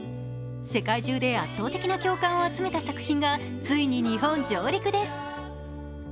世界中で圧倒的な共感を集めた作品がついに日本上陸です。